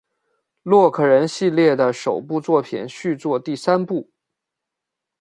洛克人系列的首部作品续作第三部。